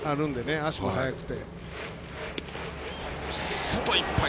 足も速くて。